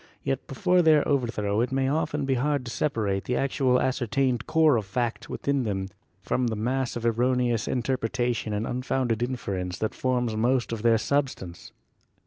Yet before their overthrow it may often be hard to separate the actual ascertained core of fact within them from the mass of erroneous interpretation and un founded inference that forms most of their substance."